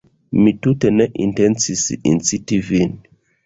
Mi tute ne intencis inciti Vin!